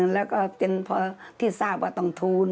แล้วก็เป็นพอที่ทราบว่าต้องทูล